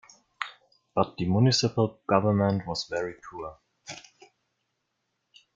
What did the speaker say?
But the municipal government was very poor.